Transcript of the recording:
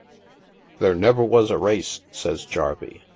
" There never was a race," says Jarvey.